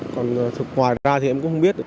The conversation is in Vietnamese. còn ngoài ra thì em cũng không biết